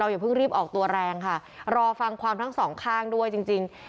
อย่าเพิ่งรีบออกตัวแรงค่ะรอฟังความทั้งสองข้างด้วยจริง